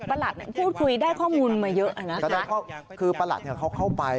ประหลักนี้พูดคุยได้ข้อมูลมาเยอะนะครับคือประหลักเนี่ยเขาเข้าไป